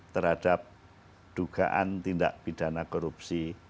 terhadap dugaan tindak pidana korupsi